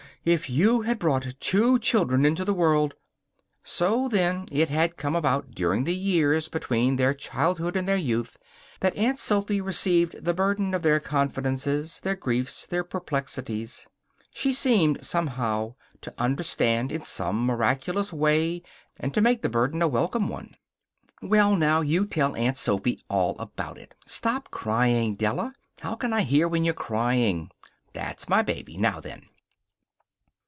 If you had brought two children into the world " So, then, it had come about during the years between their childhood and their youth that Aunt Sophy received the burden of their confidences, their griefs, their perplexities. She seemed, somehow, to understand in some miraculous way, and to make the burden a welcome one. "Well, now, you tell Aunt Sophy all about it. Stop crying, Della. How can I hear when you're crying! That's my baby. Now, then."